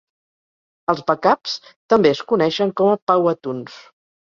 Els bacabs també es coneixen com a "pauahtuns".